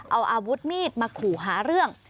เอาอาวุธมีดมาขู่หาเรื่อง